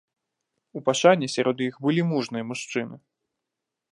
У пашане сярод іх былі мужныя мужчыны.